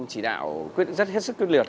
chỉ đạo rất hết sức cước liệt